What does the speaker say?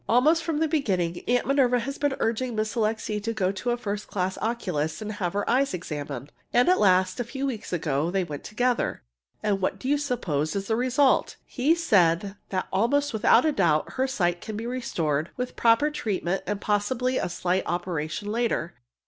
Almost from the beginning Aunt Minerva has been urging Miss Alixe to go to a first class oculist and have her eyes examined. And at last, a few weeks ago, they went together, and what do you suppose is the result? He said that almost without a doubt her sight can be restored, with proper treatment and possibly a slight operation later.